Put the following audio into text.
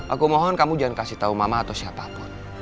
aku mohon kamu jangan kasih tahu mama atau siapapun